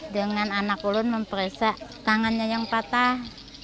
dengan anak ulun memperiksa tangannya yang patah